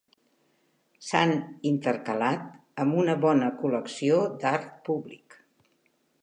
S'han intercalat amb una bona col·lecció d'art públic.